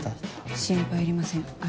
心配いりませんあ